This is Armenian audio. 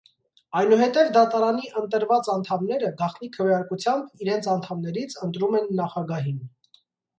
Այնուհետև դատարանի ընտրված անդամները գաղտնի քվեարկությամբ իրենց անդամներից ընտրում են նախագահին։